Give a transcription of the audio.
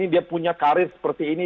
dia punya karir seperti ini